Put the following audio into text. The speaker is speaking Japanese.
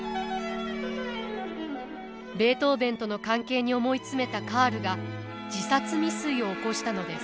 ベートーヴェンとの関係に思い詰めたカールが自殺未遂を起こしたのです。